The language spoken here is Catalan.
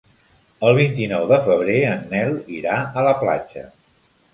El vint-i-nou de febrer en Nel irà a la platja.